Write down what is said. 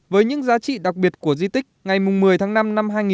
với những giá trị đặc biệt của di tích ngày một mươi tháng năm năm hai nghìn một mươi